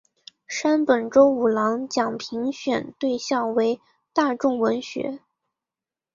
山本周五郎奖评选对象为大众文学。